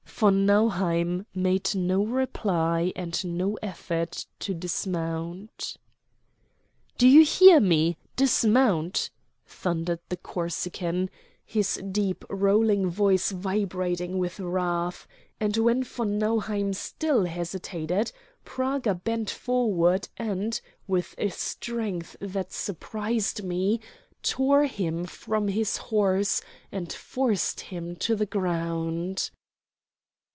Von Nauheim made no reply, and no effort to dismount. "Do you hear me? Dismount!" thundered the Corsican, his deep, rolling voice vibrating with wrath; and when von Nauheim still hesitated, Praga bent forward, and, with a strength that surprised me, tore him from his horse, and forced him to the ground.